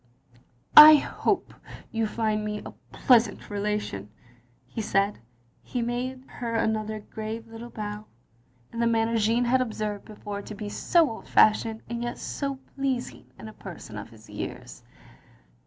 "" I hope you may find me a pleasant relation, " he said and he made her another grave little bow, in the manner Jeanne had obseived before to be so old fashioned, and yet so pleasing, in a person of his years.